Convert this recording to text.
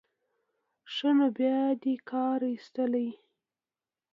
ښه نو بیا دې کار ایستلی.